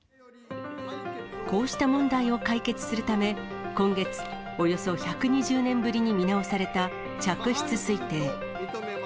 こうした問題を解決するため、今月、およそ１２０年ぶりに見直された嫡出推定。